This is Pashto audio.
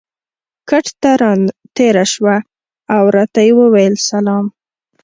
کټ ته را تېره شوه او راته یې وویل: سلام.